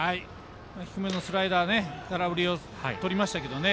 低めのスライダー空振りをとりましたけどね。